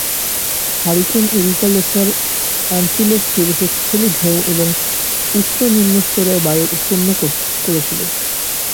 Hurricane Erica Lesser Antilles জুড়ে শক্তিশালী ঢেউ এবং উচ্চ নিম্ন স্তরের বায়ু উৎপন্ন করেছিল।